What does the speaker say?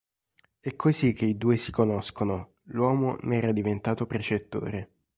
È così che i due si conoscono: l'uomo ne era diventato precettore.